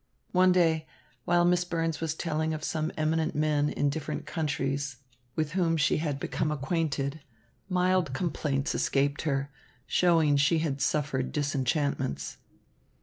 One day, while Miss Burns was telling of some eminent men in different countries with whom she had become acquainted, mild complaints escaped her, showing she had suffered disenchantments.